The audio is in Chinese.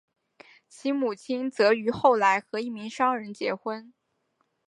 其母亲则于后来和一名商人结婚。